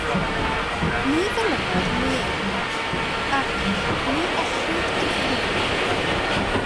Ni ddilynodd "neb", ac "ni ellid ei ffrwyno".